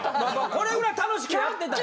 これぐらい楽しくやってた？